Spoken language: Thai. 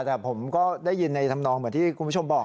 แต่ผมก็ได้ยินในธรรมนองเหมือนที่คุณผู้ชมบอก